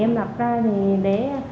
em lập ra để